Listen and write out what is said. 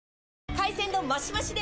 海鮮丼マシマシで！